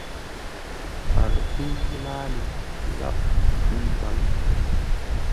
Paghʼə píŋ láaliʼ gháp nzâŋ.